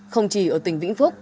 không chỉ ở tỉnh vĩnh phúc